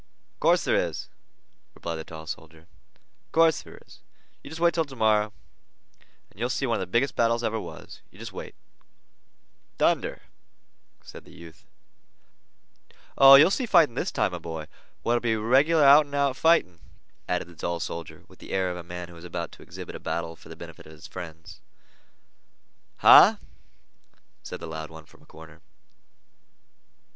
"Of course there is," replied the tall soldier. "Of course there is. You jest wait 'til to morrow, and you'll see one of the biggest battles ever was. You jest wait." "Thunder!" said the youth. "Oh, you'll see fighting this time, my boy, what'll be regular out and out fighting," added the tall soldier, with the air of a man who is about to exhibit a battle for the benefit of his friends. "Huh!" said the loud one from a corner.